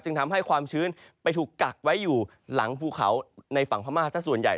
ทำให้ความชื้นไปถูกกักไว้อยู่หลังภูเขาในฝั่งพม่าสักส่วนใหญ่